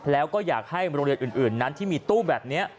แล้วก็อยากให้โรงเรียนอื่นนั้นที่มีตู้แบบนี้